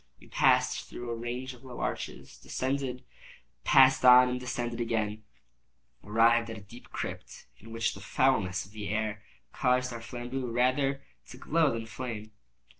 We passed through a range of low arches, descended, passed on, and descending again, arrived at a deep crypt, in which the foulness of the air caused our flambeaux rather to glow than flame.